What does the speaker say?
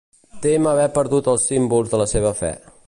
Tem haver perdut els símbols de la seva fe.